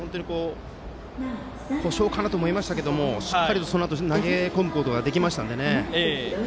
故障かなと思いましたがしっかりとそのあと投げ込むことができましたね。